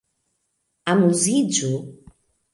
Amuziĝu!